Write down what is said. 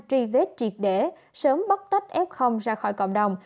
tri vết triệt để sớm bóc tách f ra khỏi cộng đồng